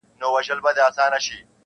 • چاویل تریخ دی عجب خوږ دغه اواز دی..